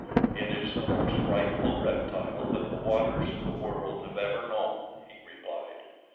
"It is the most frightful reptile that the waters of the world have ever known," he replied.